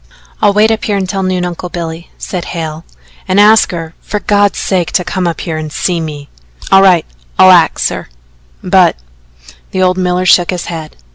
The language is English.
"I'll wait up here until noon, Uncle Billy," said Hale. "Ask her, for God's sake, to come up here and see me." "All right. I'll axe her, but " the old miller shook his head.